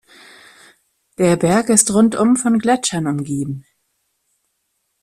Der Berg ist rundum von Gletschern umgeben.